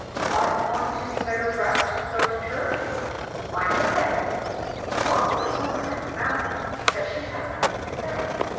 "Oughtn't one to be better dressed to go to church?" "Why should you?" Rotha was so much confounded that she had nothing to say.